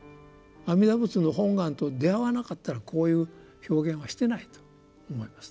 阿弥陀仏の本願と出遭わなかったらこういう表現はしてないと思いますね。